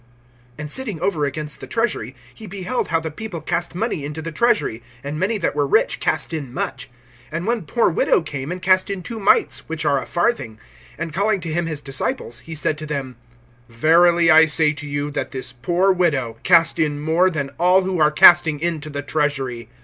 (41)And sitting over against the treasury, he beheld how the people cast money into the treasury; and many that were rich cast in much. (42)And one poor widow came, and cast in two mites, which are a farthing. (43)And calling to him his disciples, he said to them: Verily I say to you, that this poor widow cast in more than all who are casting into the treasury.